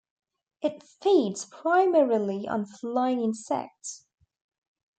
It feeds primarily on flying insects.